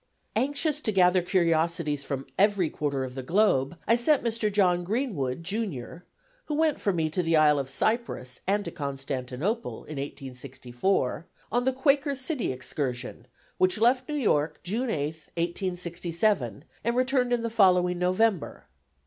Anxious to gather curiosities from every quarter of the globe, I sent Mr. John Greenwood, junior, (who went for me to the isle of Cyprus and to Constantinople, in 1864,) on the "Quaker City" excursion, which left New York June 8, 1867, and returned in the following November.